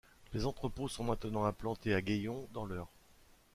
Les entrepôts sont maintenant implantés à Gaillon, dans l’Eure.